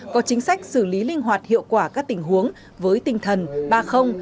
có chính sách xử lý linh hoạt hiệu quả các tình huống với tinh thần ba